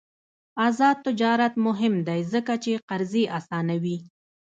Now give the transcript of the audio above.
آزاد تجارت مهم دی ځکه چې قرضې اسانوي.